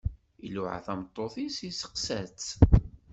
Iluɛa tameṭṭut-is, iseqsa-tt.